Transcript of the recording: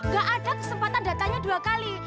gak ada kesempatan datanya dua kali